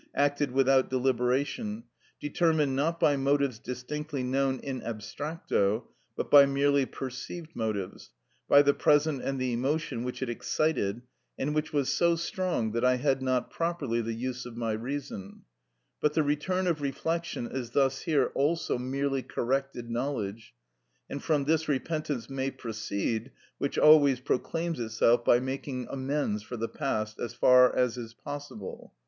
_, acted without deliberation, determined not by motives distinctly known in abstracto, but by merely perceived motives, by the present and the emotion which it excited, and which was so strong that I had not properly the use of my reason; but the return of reflection is thus here also merely corrected knowledge, and from this repentance may proceed, which always proclaims itself by making amends for the past, as far as is possible.